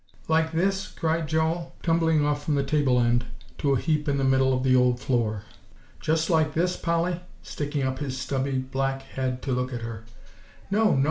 "Like this?" cried Joel, tumbling off from the table end to a heap in the middle of the old floor; "just like this, Polly?" sticking up his stubby black head to look at her. "No no!"